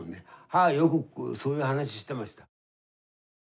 母はよくそういう話してました。